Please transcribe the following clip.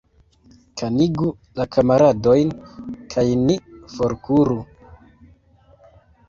Kunigu la kamaradojn, kaj ni forkuru.